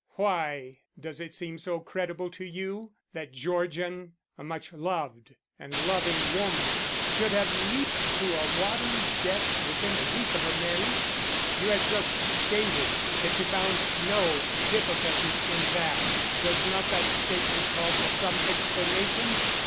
Why does it seem so credible to you that Georgian, a much loved and loving woman, should have leaped to a watery death within a week of her marriage? You have just stated that you found no difficulty in that. Does not that statement call for some explanation?